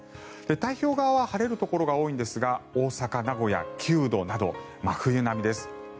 太平洋側は晴れるところが多いんですが大阪、名古屋９度など真冬並みです。